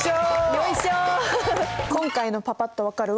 よいしょ！